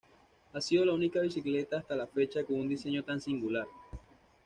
Ha sido la única bicicleta hasta la fecha con un diseño tan singular.